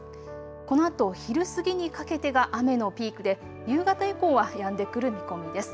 このあと昼過ぎにかけてが雨のピークで夕方以降はやんでくる見込みです。